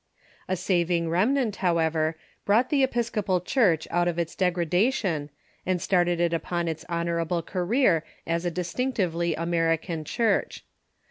A saving remnant, however, brought the Episcopal Church out of its degradation, and started it upon its honorable career as a distinctively American Church.